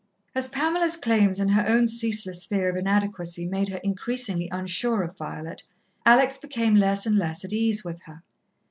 As Pamela's claims and her own ceaseless fear of inadequacy made her increasingly unsure of Violet, Alex became less and less at ease with her.